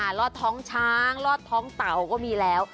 รอดท้องช้างลอดท้องเต่าก็มีแล้ว